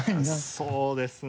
そうですね。